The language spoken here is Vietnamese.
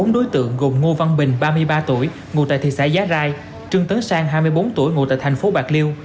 bốn đối tượng gồm ngô văn bình ba mươi ba tuổi ngụ tại thị xã giá rai trương tấn sang hai mươi bốn tuổi ngụ tại thành phố bạc liêu